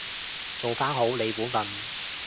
做返好你本分